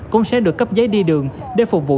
cũng sẽ được cấp giấy đi đường để phục vụ